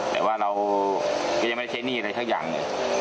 แต่ว่าเราก็ยังไม่ใช้หนี้อะไรสักอย่างเลย